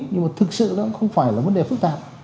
nhưng mà thực sự nó cũng không phải là vấn đề phức tạp